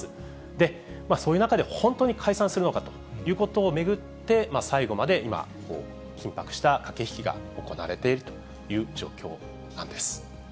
で、そういう中で本当に解散するのかということを巡って、最後まで今、緊迫した駆け引きが行われているという状況なんです。